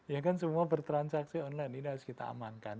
ya kan semua bertransaksi online ini harus kita amankan